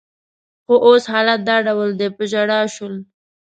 خو اوس حالت دا ډول دی، په ژړا شول.